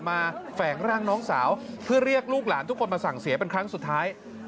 แฝงร่างน้องสาวเพื่อเรียกลูกหลานทุกคนมาสั่งเสียเป็นครั้งสุดท้าย